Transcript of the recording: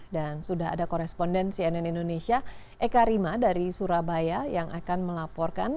dan sudah ada koresponden cnn indonesia eka rima dari surabaya yang akan melaporkan